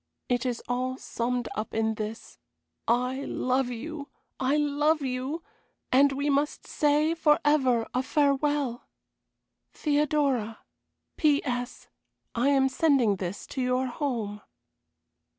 It is all summed up in this. I love you! I love you! and we must say forever a farewell! "THEODORA. "P.S. I am sending this to your home."